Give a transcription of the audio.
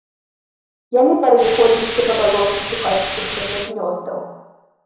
Яны паразыходзіліся па балоце шукаць птушыных гнёздаў.